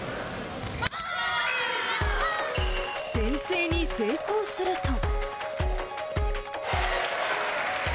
先制に成功すると。